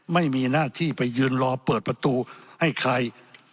ไม่มีหน้าที่ไปยืนรอเปิดประตูให้ใคร